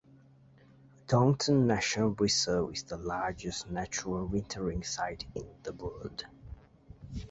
Dongtan Nature Reserve is the largest natural wintering site in the world.